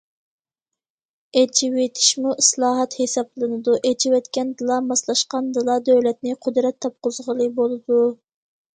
ئېچىۋېتىشمۇ ئىسلاھات ھېسابلىنىدۇ، ئېچىۋەتكەندىلا، ماسلاشقاندىلا، دۆلەتنى قۇدرەت تاپقۇزغىلى بولىدۇ.